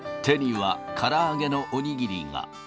手には、から揚げのおにぎりが。